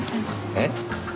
えっ？